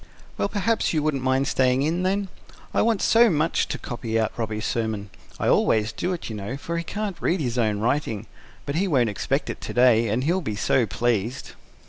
"Well, perhaps you wouldn't mind staying in then? I want so much to copy out Robby's sermon. I always do it, you know, for he can't read his own writing. But he won't expect it to day and he'll be so pleased."